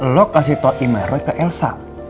lu kasih tau email roy ke elsa